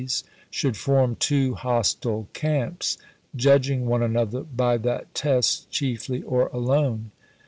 's should form two hostile camps, judging one another by that test chiefly or alone.